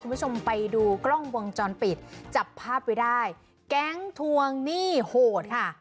คุณผู้ชมไปดูกล้องวงจรปิดจับภาพไว้ได้แก๊งทวงหนี้โหดค่ะ